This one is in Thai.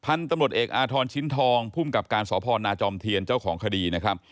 พันธุ์ตำรวจเอกอาทรณ์ชิ้นทองพุ่มกับการศพนาจอมเทียนเจ้าของคดี